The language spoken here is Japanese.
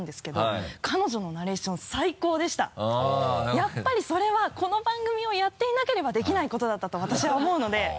やっぱりそれはこの番組をやっていなければできないことだったと私は思うので。